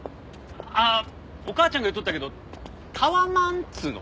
あっお母ちゃんが言っとったけどタワマンっつうの？